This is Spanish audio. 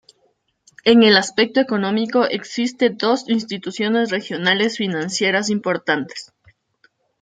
En el aspecto económico existe dos instituciones regionales financieras importantes.